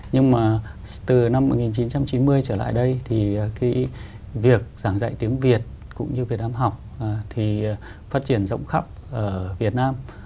nhưng mà từ năm một nghìn chín trăm chín mươi trở lại đây thì cái việc giảng dạy tiếng việt cũng như việt nam học thì phát triển rộng khắp ở việt nam